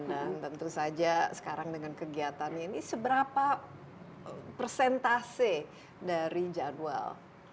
dan tentu saja sekarang dengan kegiatannya ini seberapa persentase dari jadwal